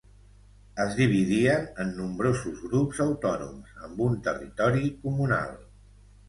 Es dividien en nombrosos grups autònoms, amb un territori comunal.